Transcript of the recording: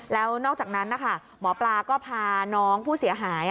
แล้วนอกจากนั้นนะคะหมอปลาก็พาน้องผู้เสียหาย